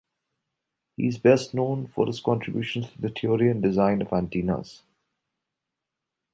He is best known for his contributions to the theory and design of antennas.